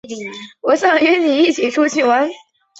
你春节假期有没有空呀？我想约你一起出来玩。